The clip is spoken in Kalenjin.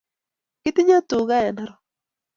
Kiti nywe tuka en narok